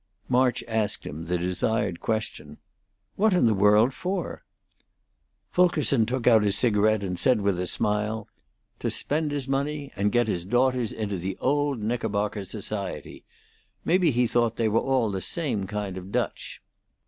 March asked him the desired question. "What in the world for?" Fulkerson took out his cigarette and said, with a smile: "To spend his money, and get his daughters into the old Knickerbocker society. Maybe he thought they were all the same kind of Dutch."